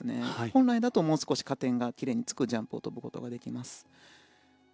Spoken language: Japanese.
本来だともう少し加点がきれいにつくジャンプを跳ぶことができます。